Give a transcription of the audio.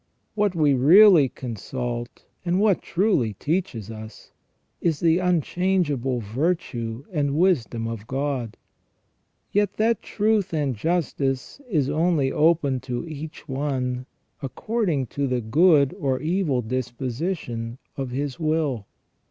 What we really consult and what truly teaches us, is the unchangeable virtue and wisdom of God ; yet that truth and justice is only open to each one according to the good or evil disposition of his will.